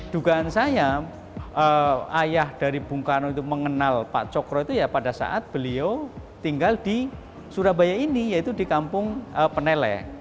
dugaan saya ayah dari bung karno itu mengenal pak cokro itu ya pada saat beliau tinggal di surabaya ini yaitu di kampung peneleh